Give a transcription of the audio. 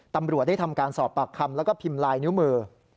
ตำรวจได้ทำการสอบปากคำแล้วก็พิมพ์ลายนิ้วมือ